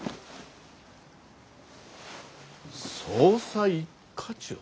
捜査一課長？